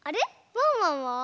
ワンワンは？